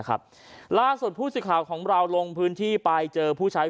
ครับล่าสุดผู้สื่อข่าวของเราลงพื้นที่ไปเจอผู้ใช้